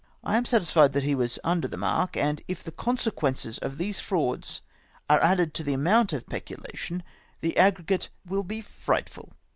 I am satisfied he was under the mark, and if the consequences of these frauds are added to the amount of peculation, the aggregate will be frightful.